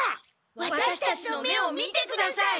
ワタシたちの目を見てください！